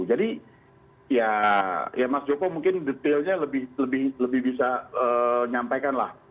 jadi ya mas joko mungkin detailnya lebih bisa nyampaikan lah